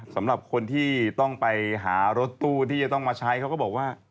สำหรับคนที่ต้องไปหารถตู้ที่จะต้องมาใช้เขาก็บอกว่า